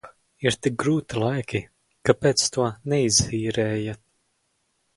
Ir tik grūti laiki, kāpēc to neizīrējat?